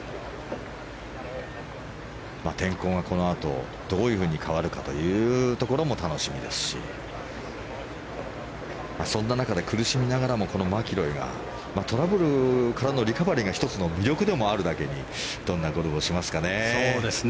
天候がこのあとどういうふうに変わるかというところも楽しみですしそんな中で苦しみながらもこのマキロイがトラブルからのリカバリーが１つの魅力でもあるだけにどんなゴルフをしますかね。